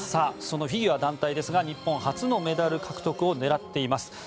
フィギュア団体ですが日本初のメダル獲得を狙っています。